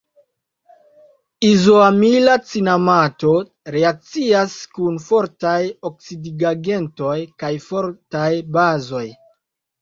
Izoamila cinamato reakcias kun fortaj oksidigagentoj kaj fortaj bazoj.